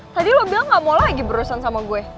tadi lo bilang gak mau lagi berurusan sama gue